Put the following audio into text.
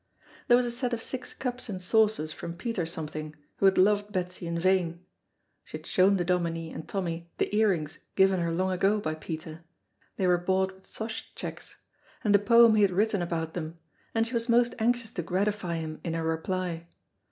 There was a set of six cups and saucers from Peter something, who had loved Betsy in vain. She had shown the Dominie and Tommy the ear rings given her long ago by Peter (they were bought with 'Sosh checks) and the poem he had written about them, and she was most anxious to gratify him in her reply.